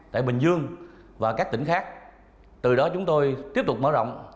tại bình dương và các tỉnh khác từ đó chúng tôi tiếp tục mở rộng